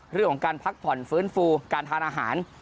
เรื่องของการพักผ่อนฟื้นฟูการทานอาหาร